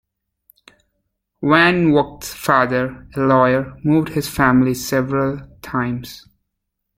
Van Vogt's father, a lawyer, moved his family several times.